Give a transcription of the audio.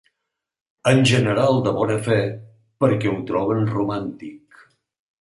En general de bona fe, perquè ho troben romàntic.